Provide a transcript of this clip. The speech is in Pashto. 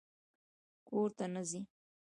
_کور ته نه ځې؟